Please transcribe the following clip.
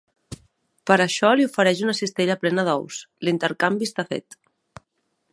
Per això li ofereix una cistella plena d'ous; l'intercanvi està fet.